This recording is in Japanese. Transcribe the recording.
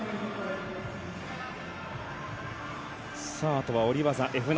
あとは下り技。